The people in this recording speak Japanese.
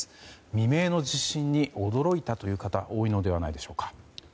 未明の地震に驚いたという方多いのではないでしょうか。